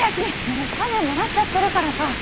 もうお金もらっちゃってるからさ。